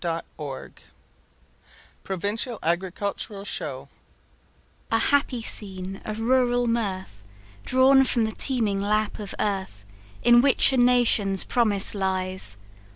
CHAPTER XVI Provincial Agricultural Show "A happy scene of rural mirth, Drawn from the teeming lap of earth, In which a nation's promise lies.